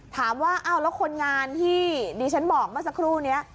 ถามว่าอ้าวแล้วคนงานที่ดิฉันบอกเมื่อสักครู่นี้